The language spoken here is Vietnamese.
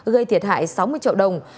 gây thiệt hại sáu mươi triệu đồng